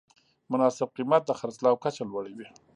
مناسب قیمت د خرڅلاو کچه لوړوي.